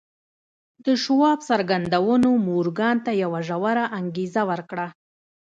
د شواب څرګندونو مورګان ته يوه ژوره انګېزه ورکړه.